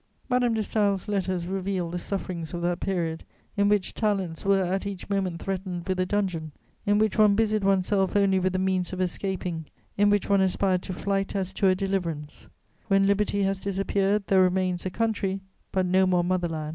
Madame de Staël's letters reveal the sufferings of that period, in which talents were at each moment threatened with a dungeon, in which one busied one's self only with the means of escaping, in which one aspired to flight as to a deliverance: when liberty has disappeared there remains a country, but no more mother land.